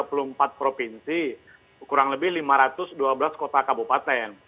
dua puluh empat provinsi kurang lebih lima ratus dua belas kota kabupaten